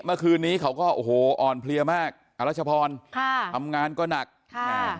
เมื่อคืนนี้เขาก็โอ้โหอ่อนเพลียมากอรัชพรค่ะทำงานก็หนักค่ะ